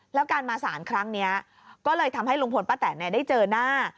แล้วการมาสารครั้งนี้ก็เลยทำให้ลุงพลป้าแตนได้เจอหน้า